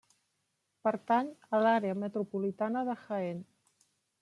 Pertany a l'Àrea metropolitana de Jaén.